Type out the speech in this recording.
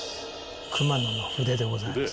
熊野の筆でございます。